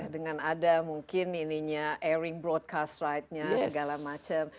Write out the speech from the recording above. dengan ada mungkin airing broadcast ride nya segala macam